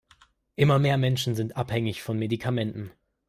Immer mehr Menschen sind abhängig von Medikamenten.